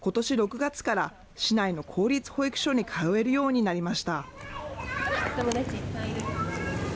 叶真くんは、ことし６月から市内の公立保育所に通えるようになりました。